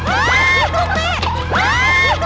อุ๊ยตั้งใจ